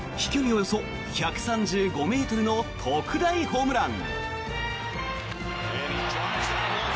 およそ１３５ｍの特大ホームラン。